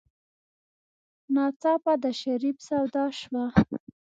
ناڅاپه د شريف سودا شوه.